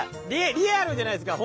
リアルじゃないですか。